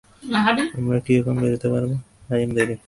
আমরা কি এখন বেরাতে পারবো?